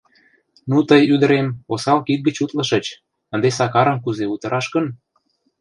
— Ну, тый, ӱдырем, осал кид гыч утлышыч, ынде Сакарым кузе утараш гын?